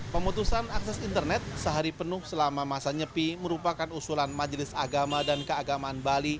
pemutusan akses internet sehari penuh selama masa nyepi merupakan usulan majelis agama dan keagamaan bali